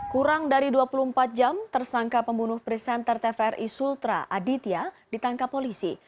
kurang dari dua puluh empat jam tersangka pembunuh presenter tvri sultra aditya ditangkap polisi